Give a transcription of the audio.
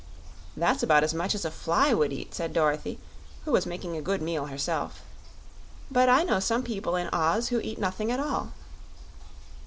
"That's about as much as a fly would eat," said Dorothy, who was making a good meal herself. "But I know some people in Oz who eat nothing at all."